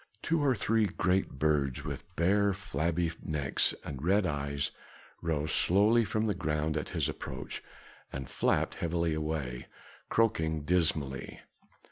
Two or three great birds with bare flabby necks and red eyes, rose slowly from the ground at his approach and flapped heavily away, croaking dismally.